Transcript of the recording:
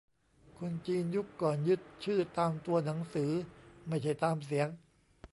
คนจีนยุคก่อนยึดชื่อตามตัวหนังสือ ไม่ใช่ตามเสียง